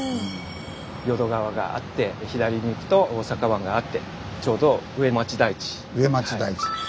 淀川があって左に行くと大阪湾があってちょうど上町台地。